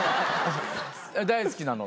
大好きなの？